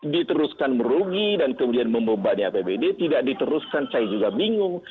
diteruskan merugi dan kemudian membebani apbd tidak diteruskan saya juga bingung